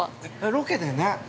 ◆ロケでね。